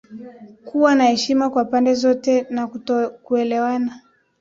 kuwa na heshima kwa pande zote na kutokuelewana